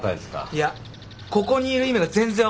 いやここにいる意味が全然分かんないんすけど。